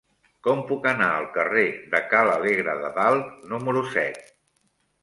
Com puc anar al carrer de Ca l'Alegre de Dalt número set?